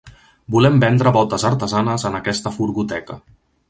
Volem vendre botes artesanes en aquesta furgoteca.